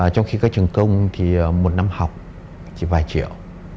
trong khi các trường công thì một năm học chỉ vài triệu